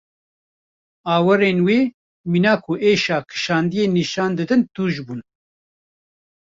Awirên wî mîna ku êşa kişandiye nîşan didin tûj bûn.